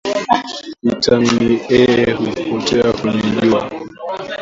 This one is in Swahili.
viatamini A hupotea kwenye jua